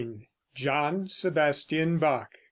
JOHN SEBASTIAN BACH.